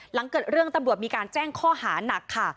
หลังเกิดเรื่องตำรวจมีการแจ้งข้อหานักค่ะ